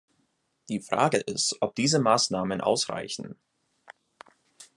Die Frage ist, ob diese Maßnahmen ausreichen.